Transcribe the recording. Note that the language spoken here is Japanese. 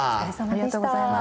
ありがとうございます。